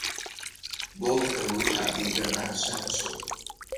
بهت او تبدیل به وحشت شد.